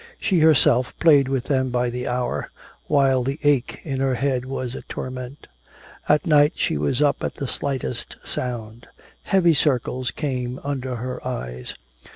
She herself played with them by the hour, while the ache in her head was a torment. At night she was up at the slightest sound. Heavy circles came under her eyes.